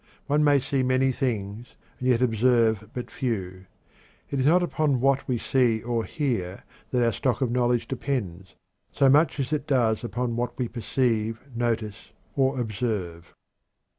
One may see many things, and yet observe but few. It is not upon what we see or hear that our stock of knowledge depends, so much as it does upon what we perceive, notice, or observe.